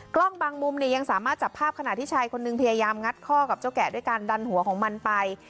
กล้องบางมุมเนี่ยยังสามารถจับภาพขณะที่ชายคนนึงพยายามงัดข้อกับเจ้าแกะด้วยการดันหัวของมันไป